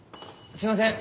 すいません